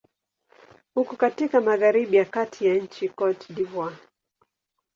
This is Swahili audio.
Uko katika magharibi ya kati ya nchi Cote d'Ivoire.